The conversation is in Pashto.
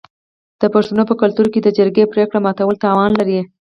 د پښتنو په کلتور کې د جرګې پریکړه ماتول تاوان لري.